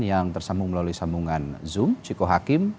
yang tersambung melalui sambungan zoom ciko hakim